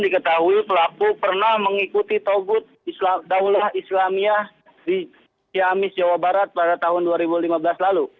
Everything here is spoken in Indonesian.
diketahui pelaku pernah mengikuti togut daulah islamiyah di ciamis jawa barat pada tahun dua ribu lima belas lalu